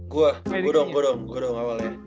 gua gua dong gua dong gua dong awalnya